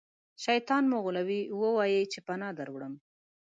شیطان مو غولوي ووایئ چې پناه دروړم.